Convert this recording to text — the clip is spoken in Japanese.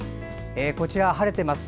こちらは晴れています。